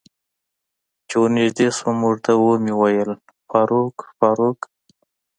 چې ور نږدې شوم ورته مې وویل: فاروق، فاروق.